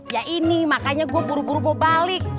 ya ini makanya gua baru baru mau balik